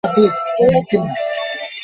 প্রতি বৃহস্পতিবার ও রবিবার হাট জমে।